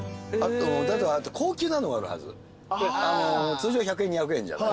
通常１００円２００円じゃん。